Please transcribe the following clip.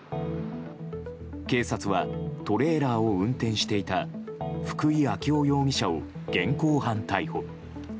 警察はトレーラーを運転していた福井暁生容疑者を現行犯逮捕。